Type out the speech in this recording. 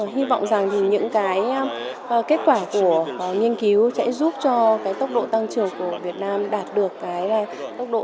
hy vọng rằng những kết quả của nghiên cứu sẽ giúp cho tốc độ tăng trưởng của việt nam đạt được tốc độ tăng trưởng cao